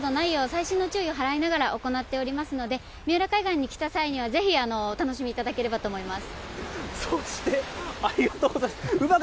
くれぐれもけがなどないよう、細心の注意を払いながら行っておりますので、三浦海岸に来た際には、ぜひお楽しみいただければと思います。